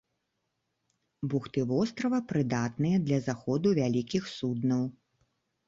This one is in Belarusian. Бухты вострава прыдатныя для заходу вялікіх суднаў.